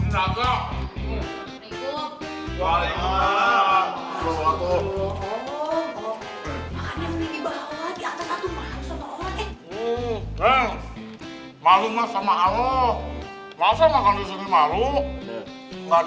sampai jumpa di video selanjutnya